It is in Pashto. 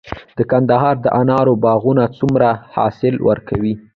د کندهار د انارو باغونه څومره حاصل ورکوي؟